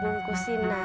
gua nggak mau dong